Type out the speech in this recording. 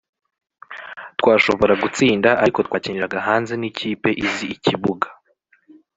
twashobora gutsinda ariko twakiniraga hanze n’ikipe izi ikibuga